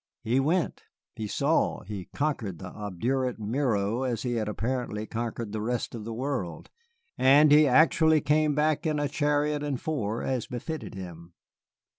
He went, he saw, he conquered the obdurate Miro as he has apparently conquered the rest of the world, and he actually came back in a chariot and four as befitted him.